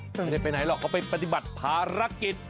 ไม่ได้ไปไหนหรอกเขาไปปฏิบัติภารกิจ